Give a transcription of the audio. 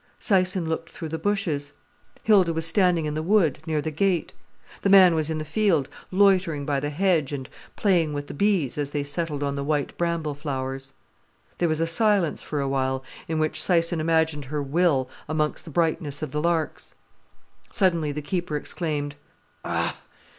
Syson looked through the bushes. Hilda was standing in the wood, near the gate. The man was in the field, loitering by the hedge, and playing with the bees as they settled on the white bramble flowers. There was silence for a while, in which Syson imagined her will among the brightness of the larks. Suddenly the keeper exclaimed "Ah!"